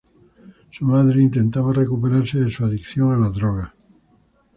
Su madre intentaba recuperarse de su adicción a las drogas.